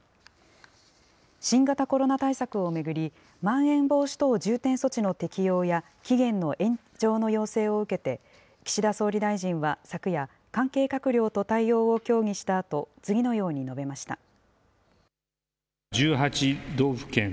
新型コロナ対策を巡り、まん延防止等重点措置の適用や期限の延長の要請を受けて、岸田総理大臣は昨夜、関係閣僚と対応を協議したあと、次のように述べました。